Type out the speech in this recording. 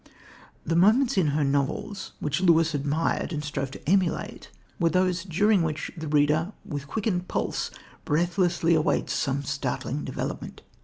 The moments in her novels which Lewis admired and strove to emulate were those during which the reader with quickened pulse breathlessly awaits some startling development.